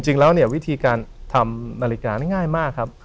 จริงแล้วเนี่ยวิธีการทำนาฬิกานี่ง่ายมากครับ